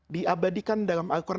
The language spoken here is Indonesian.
diabadikan dalam al quran